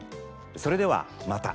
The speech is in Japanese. それではまた。